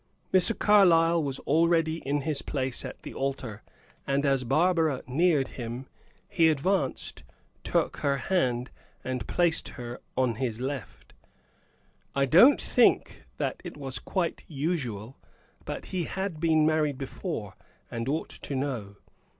Mr. Carlyle was already in his place at the altar, and as Barbara neared him, he advanced, took her hand, and placed her on his left. I don't think that it was quite usual; but he had been married before, and ought to know.